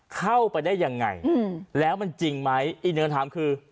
เข้าไปได้ยังไงแล้วมันจริงไหมอีกหนึ่งคำถามคือ